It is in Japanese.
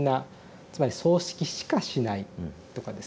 つまり「葬式しかしない」とかですね